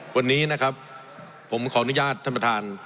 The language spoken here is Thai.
วันนี้นะครับผมขออนุญาตท่านประธาน